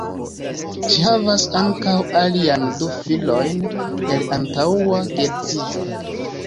Ŝi havas ankaŭ alian du filojn el antaŭa geedziĝo.